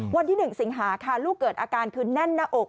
วันที่๑สิงหาค่ะลูกเกิดอาการคือแน่นหน้าอก